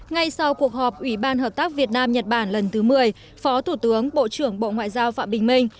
ngay sau cuộc họp ủy ban hợp tác việt nam nhật bản lần thứ một mươi phó thủ tướng bộ trưởng bộ ngoại giao phạm bình minh